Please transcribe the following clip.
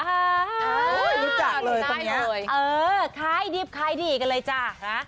รู้จักเลยตรงเนี้ยได้เลยเออคล้ายดิบคล้ายดีกันเลยจ้ะฮะ